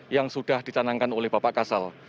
yang sudah dicanangkan oleh bapak kasal